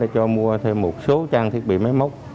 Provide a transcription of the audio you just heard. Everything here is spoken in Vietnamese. cho mua thêm một số trang thiết bị máy móc